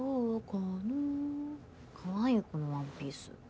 かわいいねこのワンピース。